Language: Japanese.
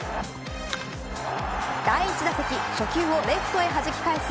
第１打席初球をレフトへはじき返す